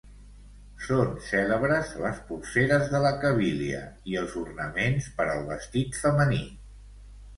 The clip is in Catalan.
Són cèlebres les polseres de la Cabília i els ornaments per al vestit femení.